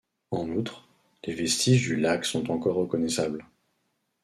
En outre, les vestiges du lac sont encore reconnaissables.